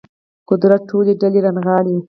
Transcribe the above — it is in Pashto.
قدرت ټولې ډلې رانغاړي